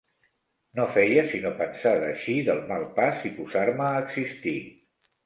No feia sinó pensar d'eixir del mal pas i posar-me a existir.